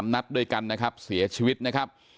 นัดด้วยกันนะครับเสียชีวิตนะครับ